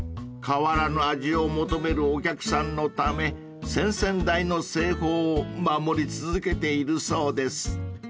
［変わらぬ味を求めるお客さんのため先々代の製法を守り続けているそうです］